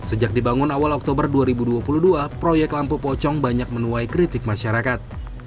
sejak dibangun awal oktober dua ribu dua puluh dua proyek lampu pocong banyak menuai kritik masyarakat